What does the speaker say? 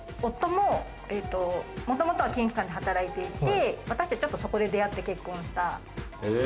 もともとは金融機関で働いていて、私たちそこで出会って結婚した。